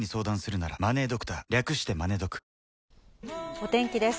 お天気です。